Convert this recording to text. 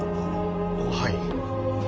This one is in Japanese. はい。